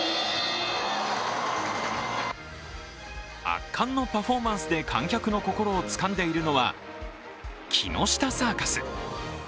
圧巻のパフォーマンスで観客の心をつかんでいるのは木下サーカス。